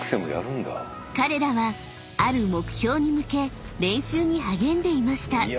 ［彼らはある目標に向け練習に励んでいました］